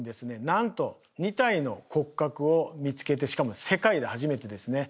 なんと２体の骨格を見つけてしかも世界で初めてですね